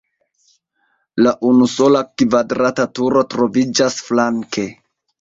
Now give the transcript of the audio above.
La unusola kvadrata turo troviĝas flanke.